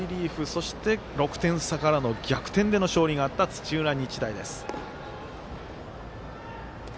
そして、６点差からの逆転での勝利があった土浦日大です。